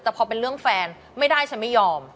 แต่พอเป็นเรื่องแฟนไม่ได้ฉันไม่ยอม